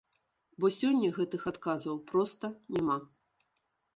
Бо сёння гэтых адказаў проста няма.